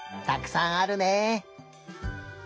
たくさんあるね。